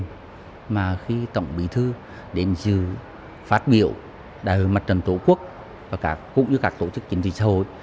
của tổng bí thư đến dự phát biểu đại hội mặt trần tổ quốc và cũng như các tổ chức chính trị xã hội